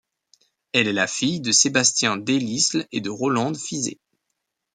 Elle est la fille de Sébastien Delisle et Rolande Fiset.